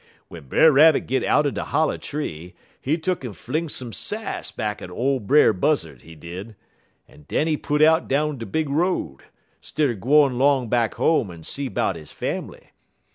"W'en Brer Rabbit git out'n de holler tree, he tuck'n fling some sass back at ole Brer Buzzard, he did, en den he put out down de big road, stidder gwine 'long back home en see 'bout he fambly.